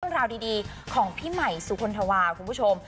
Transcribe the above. ข้างล่าวดีของพี่ไหมสุคลนธวาคุณผู้ชม